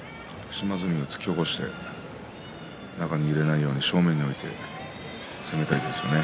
島津海を突き起こして中に入れないように正面に置いて攻めたいですよね。